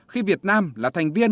khi việt nam là thành viên